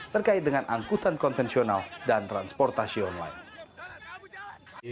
terkait dengan angkutan konvensional dan transportasi online